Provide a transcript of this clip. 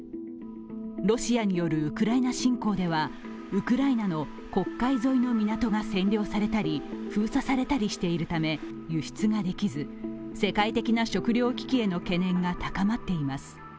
ロシアによるウクライナ侵攻では、ウクライナの黒海沿いの港が占領されたり封鎖されたりしているため輸出ができず、世界的な食糧危機への懸念が高まっています。